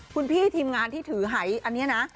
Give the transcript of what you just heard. คุณพี่ทีมงานที่ถือหายอันนี้นะ